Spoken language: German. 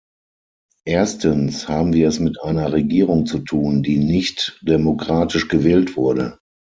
Erstens haben wir es mit einer Regierung zu tun, die nicht demokratisch gewählt wurde.